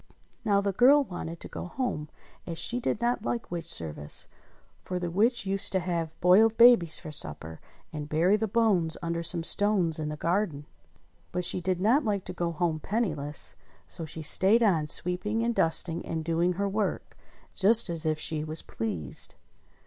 Now the girl wanted to go home as she did not like witch service ; for the witch used to have boiled babies for supper, and bury the bones under some stones in the garden. But she did not like to go home penniless ; so she stayed on, sweeping, and dusting, and doing her work, just as if she was pleased.